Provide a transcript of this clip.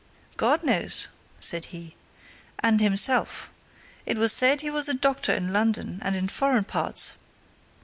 "God knows!" said he. "And himself. It was said he was a doctor in London, and in foreign parts.